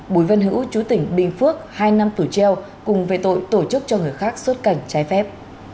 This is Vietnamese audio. bùi văn hữu chú tỉnh bình phước hai năm tù treo cùng về tội tổ chức cho người khác xuất cảnh trái phép